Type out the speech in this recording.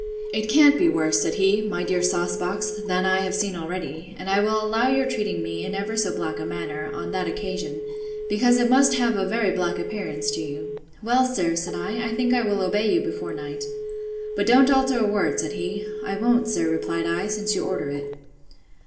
It can't be worse, said he, my dear sauce box, than I have seen already; and I will allow your treating me in ever so black a manner, on that occasion, because it must have a very black appearance to you.—Well, sir, said I, I think I will obey you before night. But don't alter a word, said he. I won't, sir, replied I, since you order it.